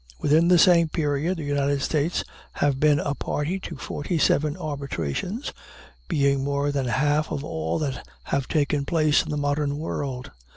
Within the same period the United States have been a party to forty seven arbitrations being more than half of all that have taken place in the modern world.